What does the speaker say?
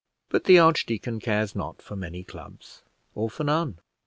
But the archdeacon cares not for many clubs, or for none.